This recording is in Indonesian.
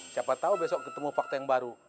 siapa tahu besok ketemu fakta yang baru